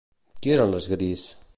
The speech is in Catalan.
Qui eren les Grees?